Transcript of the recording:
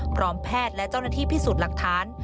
พร้อมแพทย์และเจ้าหน้าที่พิสูจน์หลักฐาน